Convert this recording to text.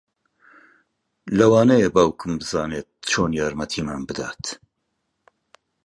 لەوانەیە باوکم بزانێت چۆن یارمەتیمان بدات